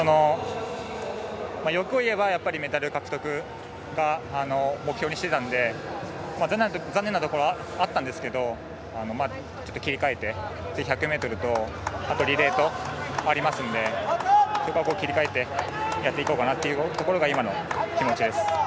欲を言えばメダル獲得を目標にしていたので残念なところはあったんですがちょっと切り替えて次、１００ｍとリレーとありますのでそこは切り替えてやっていこうかなということが今の気持ちです。